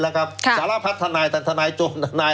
แล้วครับค่ะสาธาราพัตต์ทนายทนายโทรนทนาย